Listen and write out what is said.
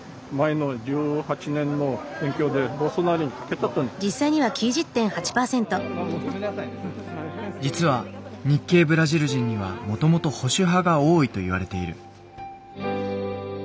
結構ね実は日系ブラジル人にはもともと保守派が多いといわれている。